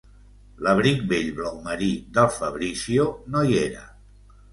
L'abric vell blau marí del Fabrizio no hi era.